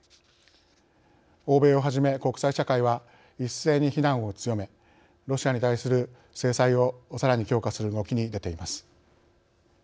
欧米をはじめ国際社会は一斉に非難を強めロシアに対する制裁をさらに強化する動きに出ています。